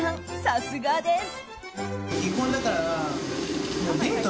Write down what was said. さすがです。